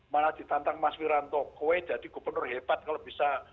malah ditantang mas wiranto gue jadi gubernur hebat kalau bisa